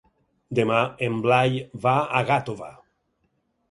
Demà en Blai va a Gàtova.